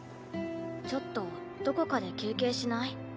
ちょっとどこかで休憩しない？